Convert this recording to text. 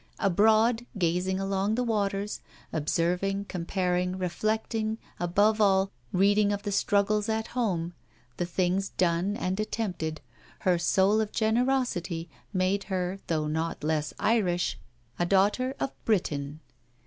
Abroad, gazing along the waters, observing, comparing, reflecting, above all, reading of the struggles at home, the things done and attempted, her soul of generosity made her, though not less Irish, a daughter of Britain.